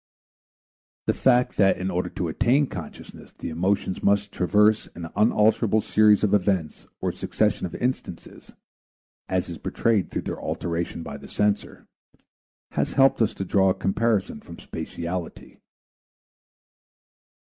The fact that in order to attain consciousness the emotions must traverse an unalterable series of events or succession of instances, as is betrayed through their alteration by the censor, has helped us to draw a comparison from spatiality.